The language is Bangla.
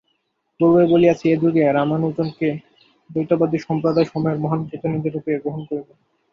পূর্বেও বলিয়াছি, এ-যুগে রামানুজকে দ্বৈতবাদী সম্প্রদায়সমূহের মহান প্রতিনিধিরূপে গ্রহণ করিব।